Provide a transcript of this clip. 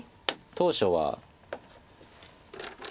当初は。